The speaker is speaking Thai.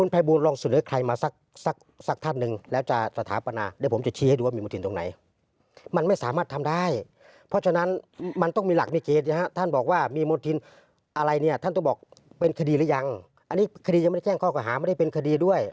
เป็นคดีหรือยังอันนี้คดียังไม่ได้แก้งข้อข่าวหาไม่ได้เป็นคดีด้วย